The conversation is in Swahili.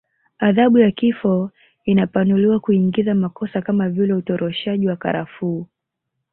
Adhabu ya kifo ilipanuliwa kuingiza makosa kama vile utoroshaji wa karafuu